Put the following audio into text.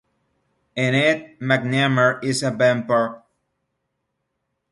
In it, MacNamar is a vampire.